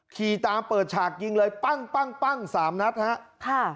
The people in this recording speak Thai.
ขี่ตามเปิดฉากยิงเลยปั้ง๓นัดนะครับ